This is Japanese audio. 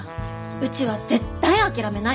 うちは絶対諦めない。